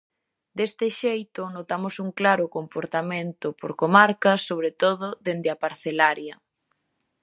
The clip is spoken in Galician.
Deste xeito, notamos un claro comportamento por comarcas, sobre todo dende a parcelaria.